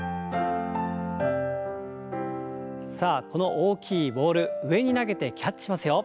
さあこの大きいボール上に投げてキャッチしますよ。